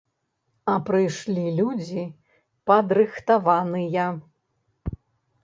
А прыйшлі людзі падрыхтаваныя.